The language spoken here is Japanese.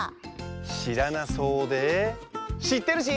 しらなそうでしってるし！